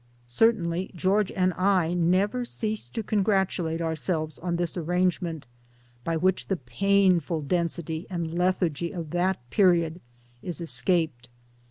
Certainly George and I never cease to congratulate ourselves on this arrangement by which the painful density and lethargy of that period is escaped.